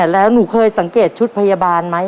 แล้วหนูเคยสังเกตชุดพยาบาลไหม